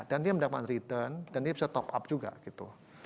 dan dia mendapatkan return dan dia bisa top up juga gitu